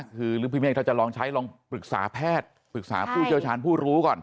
คือหรือพี่เมฆถ้าจะลองใช้ลองปรึกษาแพทย์ปรึกษาผู้เชี่ยวชาญผู้รู้ก่อน